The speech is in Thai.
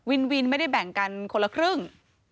วินวินไม่ได้แบ่งกันคนละครึ่ง